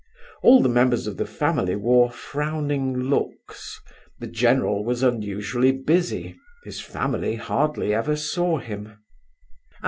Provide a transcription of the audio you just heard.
All the members of the family wore frowning looks. The general was unusually busy; his family hardly ever saw him.